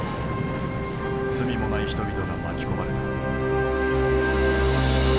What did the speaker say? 罪もない人々が巻き込まれた。